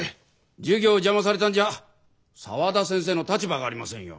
授業を邪魔されたんじゃ沢田先生の立場がありませんよ。